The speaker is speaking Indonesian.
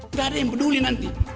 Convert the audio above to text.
nggak ada yang peduli nanti